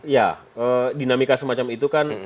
ya dinamika semacam itu kan